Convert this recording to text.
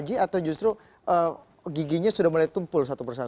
gigi atau justru giginya sudah mulai tumpul satu persatu